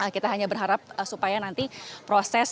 kita hanya berharap supaya nanti proses